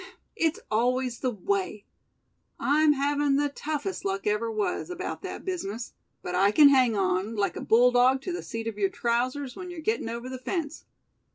It's always the way. I'm havin' the toughest luck ever was, about that business; but I can hang on, like a bulldog to the seat of your trousers when you're gettin' over the fence.